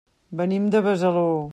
Venim de Besalú.